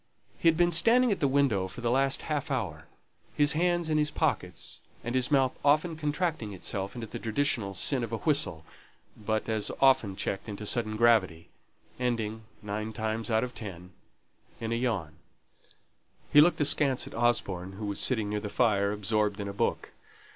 He had been standing at the window for the last half hour, his hands in his pockets, and his mouth often contracting itself into the traditional sin of a whistle, but as often checked into sudden gravity ending, nine times out of ten, in a yawn. He looked askance at Osborne, who was sitting near the fire absorbed in a book.